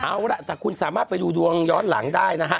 เอาล่ะแต่คุณสามารถไปดูดวงย้อนหลังได้นะฮะ